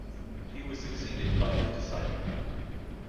He was succeeded by his disciple.